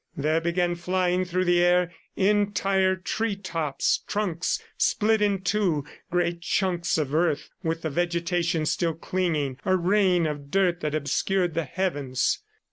There began flying through the air entire treetops, trunks split in two, great chunks of earth with the vegetation still clinging, a rain of dirt that obscured the heavens.